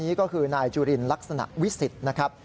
นี่ก็คือนายจุลินลักษณะวิสิทธิ์นะครับ